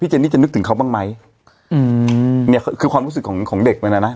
เจนนี่จะนึกถึงเขาบ้างไหมอืมเนี้ยคือความรู้สึกของของเด็กเลยน่ะนะ